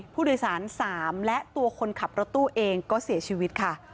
ผู้โดยสาร๓และตัวคนขับรถตู้เองก็เสียชีวิตค่ะ